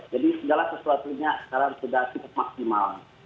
jadi segala sesuatu nya sekarang sudah cukup maksimal